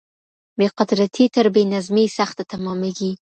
بې قدرتي تر بې نظمۍ سخته تماميږي.